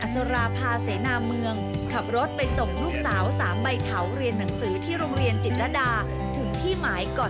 สวัสดีครับ